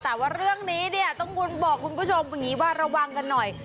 แต่ว่าเรื่องนี้ต้องคุณบอกคุณผู้ชมรัววังกันหน่อย